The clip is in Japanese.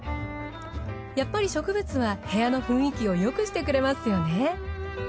やっぱり植物は部屋の雰囲気をよくしてくれますよね。